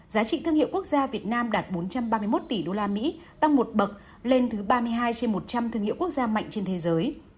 giá trị thương hiệu quốc gia việt nam đạt bốn trăm ba mươi một tỷ usd tăng một bậc lên thứ ba mươi hai trên một trăm linh thương hiệu quốc gia mạnh trên thế giới